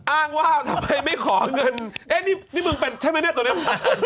อ้างว่าทำไมไม่ขอเงินเอ๊ะนี่มึงเป็นใช่ไหมเนี่ยตัวนี้